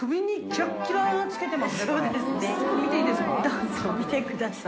どうぞ見てください。